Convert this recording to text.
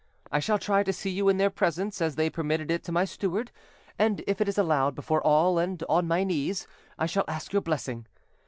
I shall try to see you in their presence, as they permitted it to my steward; and if it is allowed, before all, and on my knees, I shall ask your blessing.